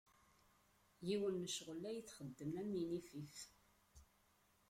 Yiwen n ccɣxel ay txeddem am inifif.